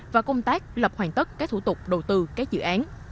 và công tác lập hoàn tất các thủ tục đầu tư các dự án